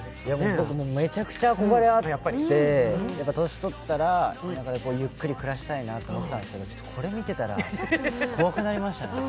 僕めちゃくちゃ憧れがあって、年とったらゆっくり暮らしたいなと思ってたんですけどちょっと、これ見てたら怖くなりましたね。